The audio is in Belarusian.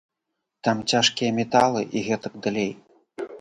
Там цяжкія металы і гэтак далей.